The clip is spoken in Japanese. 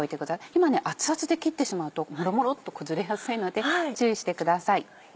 今ね熱々で切ってしまうとボロボロっと崩れやすいので注意してください。